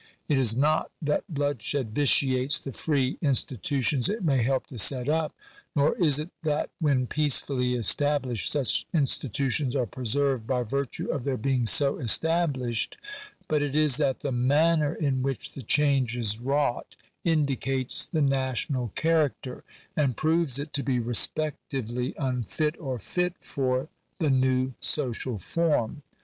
It is not that bloodshed vitiates the free institu tions it may help to set up; nor is it that when peacefully established such institutions are preserved by virtue of their being so established ; but it is that the manner in which the change is wrought indicates the national character, and proves it to be respectively unfit or fit for the new social form.